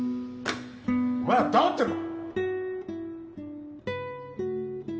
お前は黙ってろ！